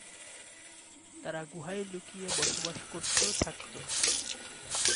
তারা গুহায় লুকিয়ে বসবাস করতো থাকতো।